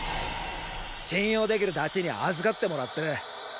信用できるダチに預かってもらってる。